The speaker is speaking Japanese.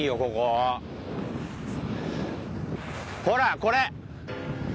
ほらこれ！